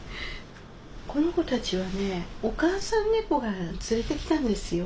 この子たちはねお母さん猫が連れてきたんですよ。